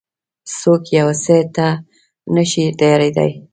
څوک يو څه ته نه شي تيارېدای.